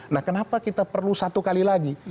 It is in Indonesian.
nah kenapa kita perlu satu kali lagi